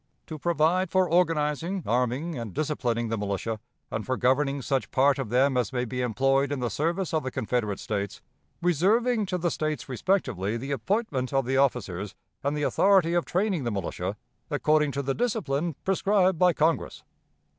' "'To provide for organizing, arming, and disciplining the militia, and for governing such part of them as may be employed in the service of the Confederate States; reserving to the States respectively the appointment of the officers, and the authority of training the militia, according to the discipline prescribed by Congress.'